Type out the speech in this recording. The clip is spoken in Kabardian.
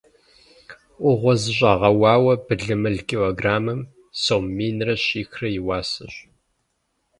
Ӏугъуэ зыщӏэгъэуауэ былымыл килограммым сом минрэ щихрэ и уасэщ.